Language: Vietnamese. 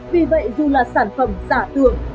vì vậy dù là sản phẩm giả tưởng